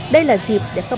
đây là dịp để có